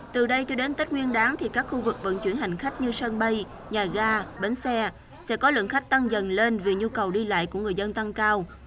từ đây cho đến tết nguyên đáng thì các khu vực vận chuyển hành khách như sân bay nhà ga bến xe sẽ có lượng khách tăng dần lên vì nhu cầu đi lại của người dân tăng cao